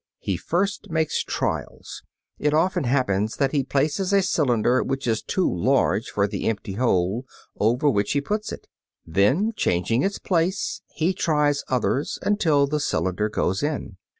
He first makes trials; it often happens that he places a cylinder which is too large for the empty hole over which he puts it. Then, changing its place, he tries others until the cylinder goes in.